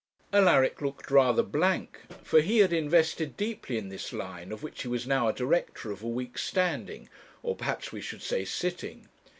Alaric looked rather blank; for he had invested deeply in this line, of which he was now a director, of a week's standing, or perhaps we should say sitting.